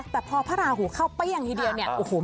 แต่พอพระราหูเข้าไปอย่างทีเดียว